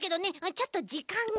ちょっとじかんが。